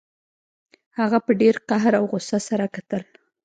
هغه په ډیر قهر او غوسه سره کتل